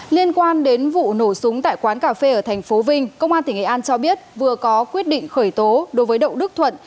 liên quan đến vụ nổ súng tại quán cà phê ở thành phố vinh công an tỉnh nghệ an cho biết vừa có quyết định khởi tố đối với đậu đức thuận